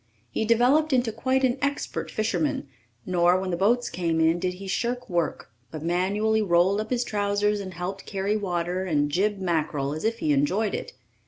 He developed into quite an expert fisherman; nor, when the boats came in, did he shirk work, but manfully rolled up his trousers and helped carry water and "gib" mackerel as if he enjoyed it.